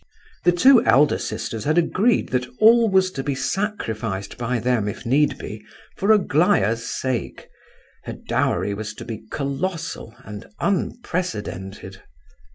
The two elder sisters had agreed that all was to be sacrificed by them, if need be, for Aglaya's sake; her dowry was to be colossal and unprecedented.